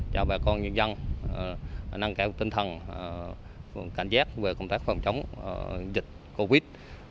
chào bà con nhân dân nâng cải tinh thần cảnh giác về công tác phòng chống dịch covid một mươi chín